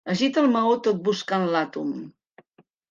Agita el maó tot buscant l'àtom.